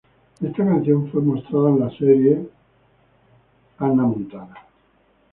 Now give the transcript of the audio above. Esta canción fue mostrada en la serie de Disney Channel, Hannah Montana.